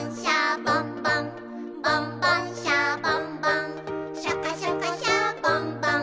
「ボンボン・シャボン・ボンシャカシャカ・シャボン・ボン」